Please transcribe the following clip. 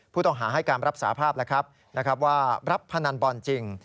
ผู้ต้องหาให้การรับสาภาพแล้วครับว่ารับพนันบอลจริง